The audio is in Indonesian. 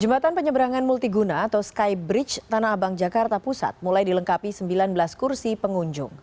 jembatan penyeberangan multiguna atau skybridge tanah abang jakarta pusat mulai dilengkapi sembilan belas kursi pengunjung